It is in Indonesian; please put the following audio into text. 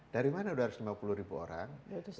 dari mana dua ratus lima puluh ribu orang